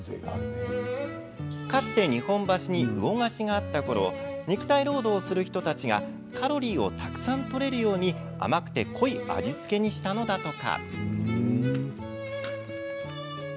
かつて日本橋に魚河岸があったころ肉体労働をする人たちがカロリーをたくさんとれるように甘くて濃い味付けにしたのだとか。